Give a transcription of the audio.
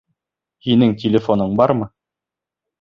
Һинең телефоның бармы ни?